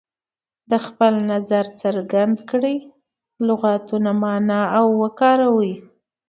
د خپل نظر څرګند کړئ لغتونه معنا او وکاروي.